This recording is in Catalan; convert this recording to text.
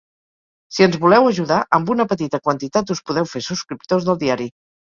Si ens voleu ajudar, amb una petita quantitat us podeu fer subscriptors del diari.